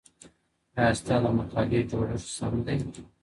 ایا ستا د مقالي جوړښت سم دی؟